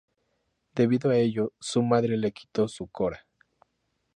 Debido a ello, su madre le quitó su kora.